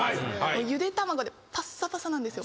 ゆで卵でパッサパサなんですよ。